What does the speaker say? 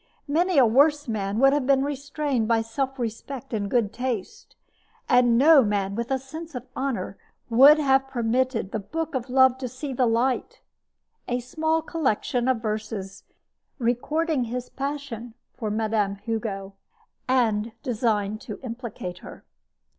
Many a worse man would have been restrained by self respect and good taste. And no man with a sense of honor would have permitted The Book of Love to see the light a small collection of verses recording his passion for Mme. Hugo, and designed to implicate her.